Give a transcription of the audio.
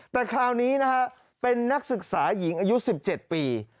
แต่คราวนี้นะฮะเป็นนักศึกษาหญิงอายุ๑๗ปี